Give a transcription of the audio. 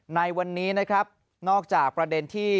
ในวันนี้นอกจากประเด็นที่